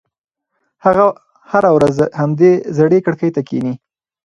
هغه هره ورځ همدې زړې کړکۍ ته کښېني.